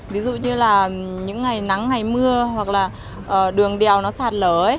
ví dụ như là những ngày nắng ngày mưa hoặc là đường đèo nó sạt lở